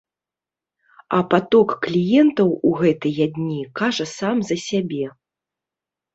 А паток кліентаў у гэтыя дні кажа сам за сябе.